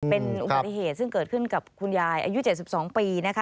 เป็นอุบัติเหตุซึ่งเกิดขึ้นกับคุณยายอายุ๗๒ปีนะคะ